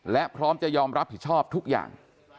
และพร้อมจะยอมรับผิดชอบทุกอย่าง